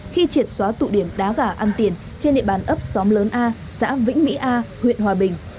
khi triệt xóa tụ điểm đá gà ăn tiền trên địa bàn ấp xóm lớn a xã vĩnh mỹ a huyện hòa bình